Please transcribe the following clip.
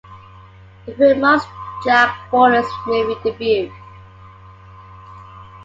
The film marks Jack Warden's movie debut.